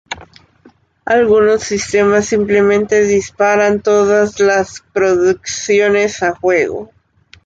Algunos sistemas simplemente disparan todas las producciones a juego.